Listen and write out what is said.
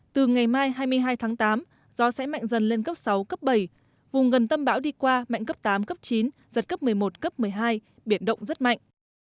từ ngày mai hai mươi hai tháng tám gió sẽ mạnh dần lên cấp sáu cấp bảy vùng gần tâm bão đi qua mạnh cấp tám cấp chín giật cấp một mươi một cấp một mươi hai biển động rất mạnh